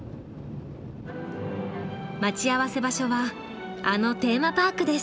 待ち合わせ場所はあのテーマパークです。